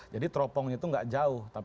jadi teropongnya itu tidak jauh